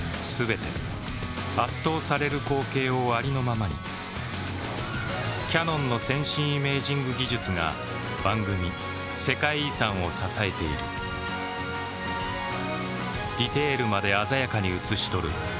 全て圧倒される光景をありのままにキヤノンの先進イメージング技術が番組「世界遺産」を支えているディテールまで鮮やかに映し撮る